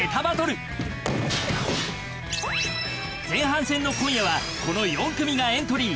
前半戦の今夜はこの４組がエントリー。